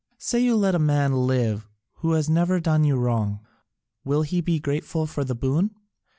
Say you let a man live who has never done you wrong, will he be grateful for the boon?